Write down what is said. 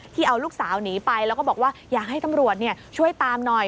เอาลูกสาวหนีไปแล้วก็บอกว่าอยากให้ตำรวจช่วยตามหน่อย